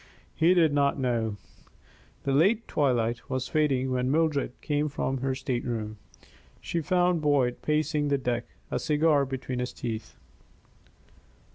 He did not know. The late twilight was fading when Mildred came from her state room. She found Boyd pacing the deck, a cigar between his teeth.